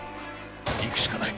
行くしかない。